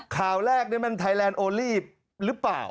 ข่าวแรกนี่มันไทยแลนด์โอลี่หรือเปล่า